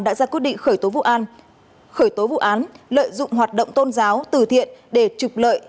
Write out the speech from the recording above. đã ra quyết định khởi tố vụ án lợi dụng hoạt động tôn giáo từ thiện để trục lợi